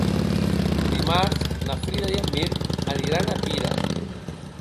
Dimarts na Frida i en Mirt aniran a Pira.